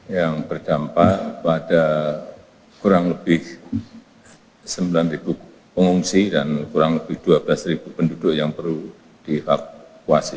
yang berdampak pada kurang lebih sembilan pengungsi dan kurang lebih dua belas penduduk yang perlu dievakuasi